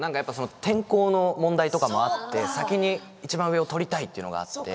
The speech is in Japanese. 天候の問題とかもあって先にいちばん上を撮りたいというのがあって。